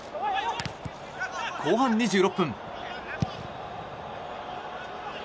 後半２６分。